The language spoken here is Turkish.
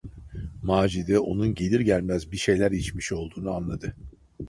Macide onun gelir gelmez bir şeyler içmiş olduğunu anladı.